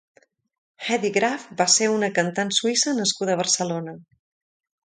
Hedy Graf va ser una cantant suïssa nascuda a Barcelona.